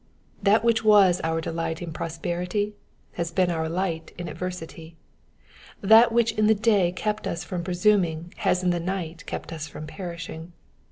That which was our delight in prosperity has been our light in adversity ; that which in the day kept us from presuming has in the night kept us from perishing.